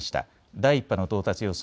第１波の到達予想